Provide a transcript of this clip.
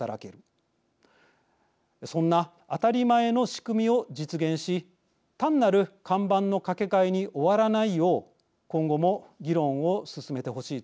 そんな当たり前の仕組みを実現し単なる看板のかけ替えに終わらないよう今後も議論を進めてほしいと思います。